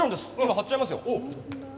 今貼っちゃいますよ。